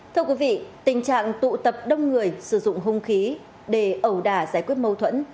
thưa quý vị tình trạng tụ tập đông người sử dụng hung khí để ẩu đả giải quyết mâu thuẫn